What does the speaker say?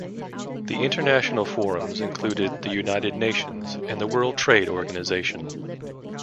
The international forums included the United Nations and the World Trade Organisation.